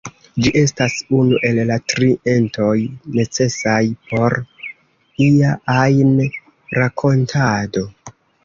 Ĝi estas unu el la tri entoj necesaj por ia ajn rakontado.